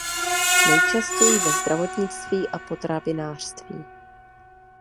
Nejčastěji ve zdravotnictví a potravinářství.